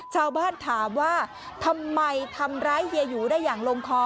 ชาวบ้านถามว่าทำไมทำร้ายเฮียหยูได้อย่างลงคอ